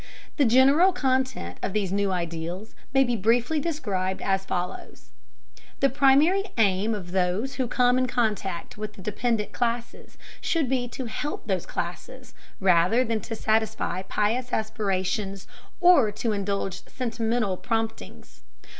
The general content of these new ideals may be briefly described as follows: The primary aim of those who come in contact with the dependent classes should be to help those classes, rather than to satisfy pious aspirations or to indulge sentimental promptings.